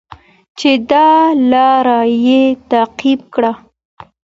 چې دا لاره یې تعقیب کړه.